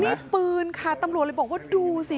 นี่ปืนค่ะตำรวจเลยบอกว่าดูสิ